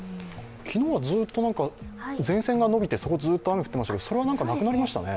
昨日はずっと前線が延びて、そこでずっと雨が降ってましたけど、それはなくなりましたね。